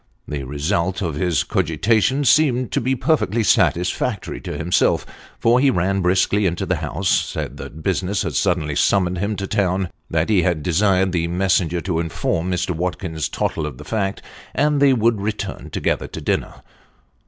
The result of his cogitations seemed to be perfectly satisfactory to himself, for he ran briskly into the house ; said that business had suddenly summoned him to town ; that he had desired the messenger to inform Mr. Watkins Tottle of the fact; and that they would return together to dinner.